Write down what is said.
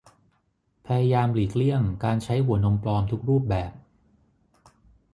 พยายามหลีกเลี่ยงการใช้หัวนมปลอมทุกรูปแบบ